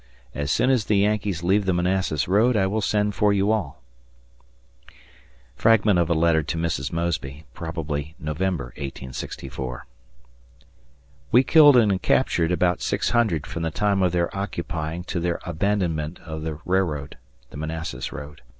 As soon as the Yankees leave the Manassas road I will send for you all. [Fragment of a letter to Mrs. Mosby, probably November, 1864] We killed and captured about 600 from the time of their occupying to their abandonment of the railroad (Manassas road).